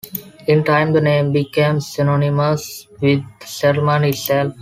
In time the name became synonymous with the settlement itself.